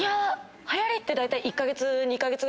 はやりって１カ月２カ月だと。